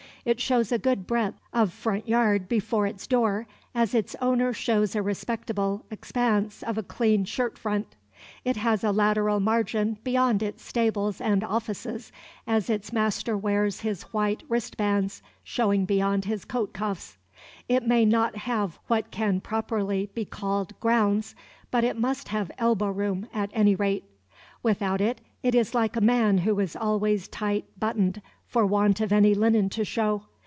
It shows a good breadth of front yard before its door, as its owner shows a respectable expanse of a clean shirt front. It has a lateral margin beyond its stables and offices, as its master wears his white wrist bands showing beyond his coat cuffs. It may not have what can properly be called grounds, but it must have elbow room, at any rate. Without it, it is like a man who is always tight buttoned for want of any linen to show.